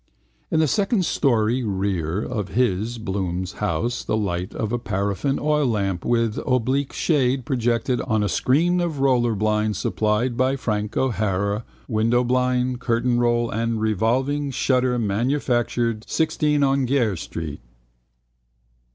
In the second storey (rere) of his (Bloom's) house the light of a paraffin oil lamp with oblique shade projected on a screen of roller blind supplied by Frank O'Hara, window blind, curtain pole and revolving shutter manufacturer, 16 Aungier street.